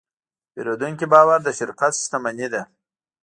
د پیرودونکي باور د شرکت شتمني ده.